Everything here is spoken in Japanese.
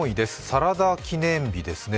「サラダ記念日」ですね。